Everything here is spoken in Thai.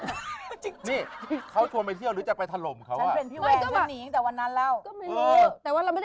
นี่เขาชวนไปเที่ยวหรือจะไปถาลมเค้าอ่ะ